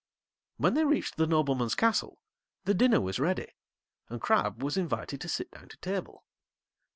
When they reached the nobleman's castle the dinner was ready, and Crabb was invited to sit down to table.